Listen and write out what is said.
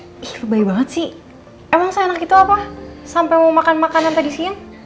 syubay banget sih emang seenak itu apa sampai mau makan makanan tadi siang